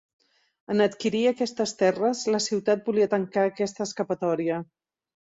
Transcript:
En adquirir aquestes terres, la ciutat volia tancar aquesta escapatòria.